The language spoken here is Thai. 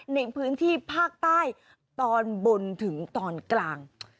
ในพื้นที่ภาคใต้ตอนบนถึงตอนกลาง